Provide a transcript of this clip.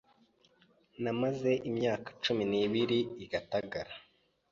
mamaze imyaka cumi nibiri I gatagara